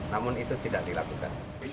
namun itu tidak dilakukan